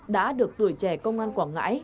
đã được tuổi trẻ công an quảng ngãi